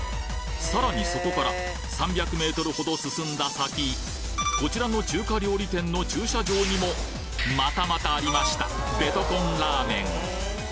さらにそこから３００メートルほど進んだ先こちらの中華料理店の駐車場にもまたまたありましたベトコンラーメン